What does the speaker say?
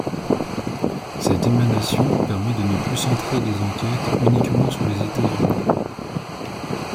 Cette émanation permet de ne plus centrer les enquêtes uniquement sur les États-Unis.